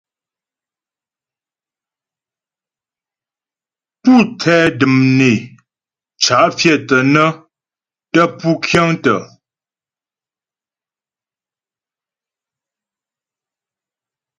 Pú tɛ də̀m né cǎ' pfyə̂tə nə́ tə́ pú kyə̂tə.